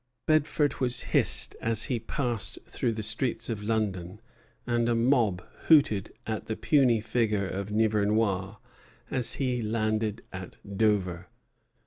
Bedford was hissed as he passed through the streets of London, and a mob hooted at the puny figure of Nivernois as he landed at Dover.